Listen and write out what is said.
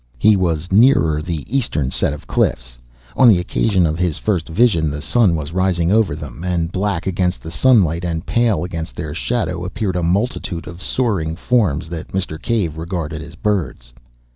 He was nearer the eastern set of cliffs, on the occasion of his first vision the sun was rising over them, and black against the sunlight and pale against their shadow appeared a multitude of soaring forms that Mr. Cave regarded as birds.